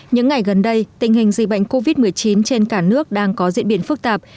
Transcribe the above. những ngày gần đây tình hình dịch bệnh covid một mươi chín trên cả nước đang có diễn biến phức tạp